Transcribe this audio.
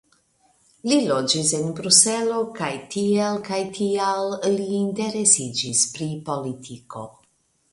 Li loĝis en Bruselo kaj tiel kaj tial li interesiĝis pri politiko.